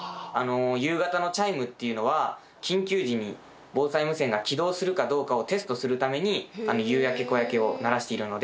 夕方のチャイムっていうのは緊急時に防災無線が起動するかどうかをテストするために『夕焼け小焼け』を流しているので。